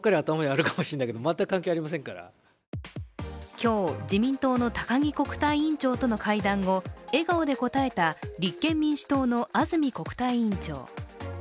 今日、自民党の高木国対委員長との会談後、笑顔で答えた立憲民主党の安住国対委員長。